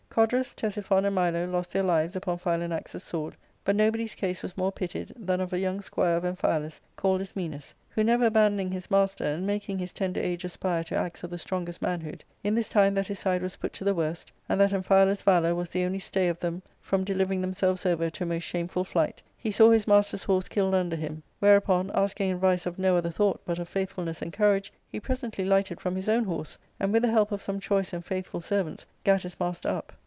Codrus, Ctesiphon, and Milo lost their lives upon Phila nax^s sword. But nobody's case was more pitied than of a young squire of Amphialus, called Ismenus, who never abandoning his master, and making his tender age aspire to acts of the strongest manhood, in this time that his side was put to the worst, and that Amphialus* valour was the only stay of them from delivering themselves over to a most shameful flight, he saw his master's horse killed under him ; whereupon, asking advice of no other thought but of faithful ness and courage, he presently lighted from his own horse, and, with the help of some choice and faithful servants, gat his master up.